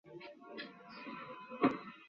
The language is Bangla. পছন্দ আবার না করবে কী?